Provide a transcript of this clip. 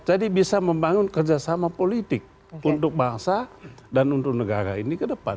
jadi bisa membangun kerjasama politik untuk bangsa dan untuk negara ini ke depan